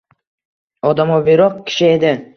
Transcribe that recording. odamoviroq kishi edi.